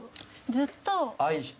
「ずっと」。